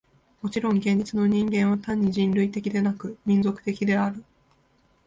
もちろん現実の人間は単に人類的でなく、民族的である。